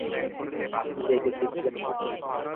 আপনি জায়গা চেয়েছিলেন না?